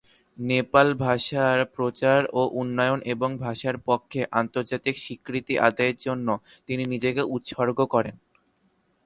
নেপাল ভাষার প্রচার ও উন্নয়ন এবং ভাষার পক্ষে আন্তর্জাতিক স্বীকৃতি আদায়ের জন্য তিনি নিজেকে উৎসর্গ করেন।